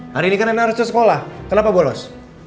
hari ini kan rena harus ke sekolah kenapa boros